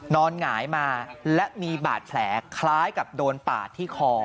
หงายมาและมีบาดแผลคล้ายกับโดนปาดที่คอ